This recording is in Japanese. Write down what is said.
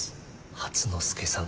初之助さん。